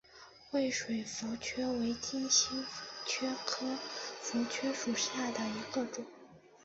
惠水茯蕨为金星蕨科茯蕨属下的一个种。